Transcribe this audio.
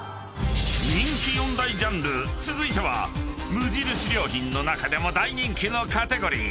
［人気４大ジャンル続いては無印良品の中でも大人気のカテゴリー］